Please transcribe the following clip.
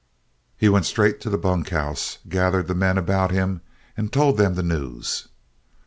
He went straight to the bunkhouse, gathered the men about him, and told them the news.